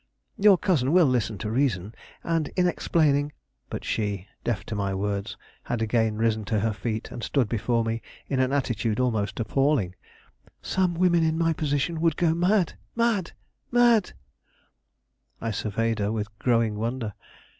Your cousin will listen to reason, and in explaining " But she, deaf to my words, had again risen to her feet, and stood before me in an attitude almost appalling. "Some women in my position would go mad! mad! mad!" I surveyed her with growing wonder.